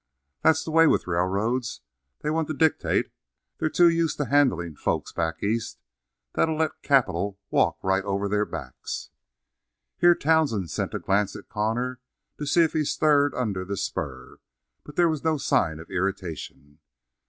That's the way with railroads; they want to dictate; they're too used to handlin' folks back East that'll let capital walk right over their backs." Here Townsend sent a glance at Connor to see if he stirred under the spur, but there was no sign of irritation.